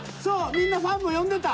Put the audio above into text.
みんなファンも呼んでた。